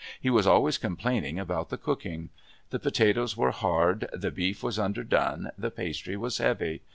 He was always complaining about the cooking. The potatoes were hard, the beef was underdone, the pastry was heavy.